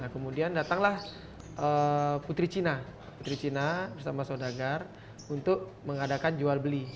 kemudian datanglah putri cina bersama sodagar untuk mengadakan jual beli